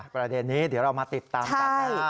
ประเด็นนี้เดี๋ยวเรามาติดตามกันนะฮะ